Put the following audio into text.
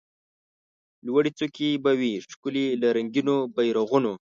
لوړي څوکي به وي ښکلي له رنګینو بیرغونو